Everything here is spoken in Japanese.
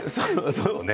そうね。